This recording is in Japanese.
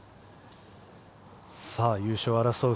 優勝争う